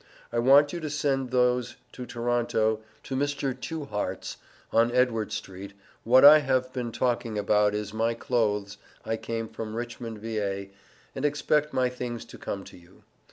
I want you to send those to toronto to Mr Tueharts on Edward St what I have been talking about is my Clothes I came from Richmond Va and expect my things to come to you.